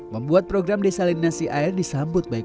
membuat program desalinasi air disambut baik